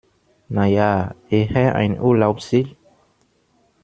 Na ja, eher ein Urlaubsziel.